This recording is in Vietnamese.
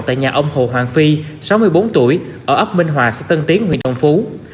tại nhà ông hồ hoàng phi sáu mươi bốn tuổi ở ấp minh hòa xã tân tiến huyện đồng phú